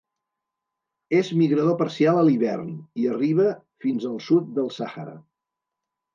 És migrador parcial a l'hivern i arriba fins al sud del Sàhara.